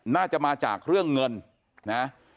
น่าจะมาจากเรื่องเงินนะ